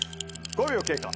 ５秒経過。